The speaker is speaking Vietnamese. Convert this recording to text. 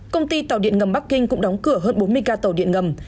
công ty tàu điện ngầm bắc kinh cũng đóng cửa hơn bốn mươi ca tàu điện ngầm